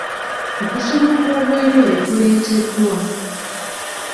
Okusoma okwobwereere kuleeteddwa.